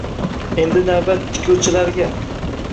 Endi navbat tikuvchilarga